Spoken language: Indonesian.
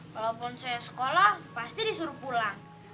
walaupun saya sekolah pasti disuruh pulang